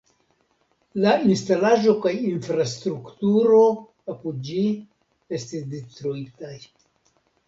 La instalaĵo kaj infrastrukturo apud ĝi estis detruitaj.